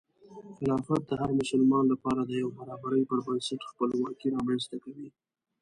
خلافت د هر مسلمان لپاره د یو برابري پر بنسټ خپلواکي رامنځته کوي.